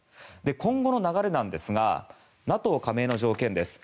今後の流れですがＮＡＴＯ加盟の条件です。